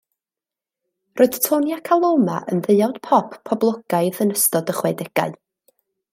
Roedd Tony ac Aloma yn ddeuawd pop poblogaidd yn ystod y chwedegau.